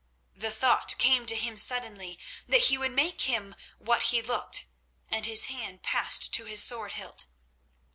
The thought came to him suddenly that he would make him what he looked, and his hand passed to his sword hilt.